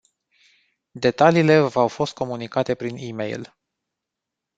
Detaliile v-au fost comunicate prin e-mail.